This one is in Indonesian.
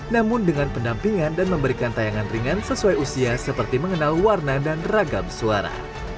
namun dengan pendampingan dan memberikan tayangan ringan sesuai usia seperti mengenal warna dan ragam suara